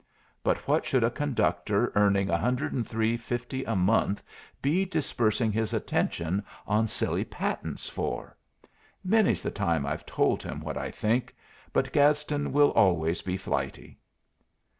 But what should a conductor earning $103.50 a month be dispersing his attention on silly patents for? Many's the time I've told him what I think; but Gadsden will always be flighty."